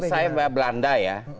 saya belanda ya